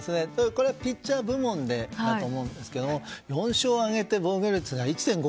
これはピッチャー部門でだと思うんですけど４勝を挙げて防御率が１．５２。